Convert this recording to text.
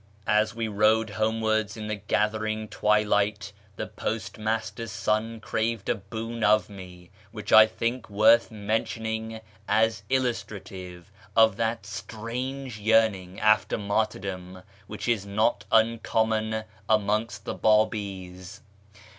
As we rode homewards in the gathering twilight the post master's son craved a boon of me, which I think worth mentioning as illustrative of that strange yearning after martyrdom which is not uncommon amongst the Babis.